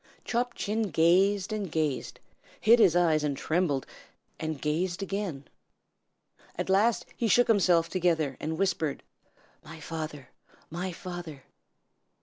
Chop Chin gazed and gazed, and hid his eyes and trembled, and gazed again. At last he shook himself together, and whispered, "My father! my father!"